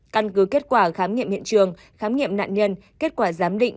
căn cứ kết quả khám nghiệm hiện trường khám nghiệm nạn nhân kết quả giám định